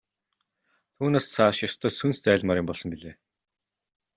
Түүнээс цааш ёстой сүнс зайлмаар юм болсон билээ.